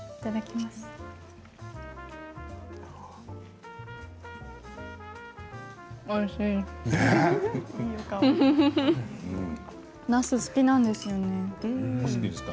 なすは好きなんですよね。